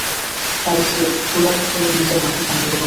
তাই সে ঘোড়ার খুরের নিচের মাটি সংগ্রহ করল।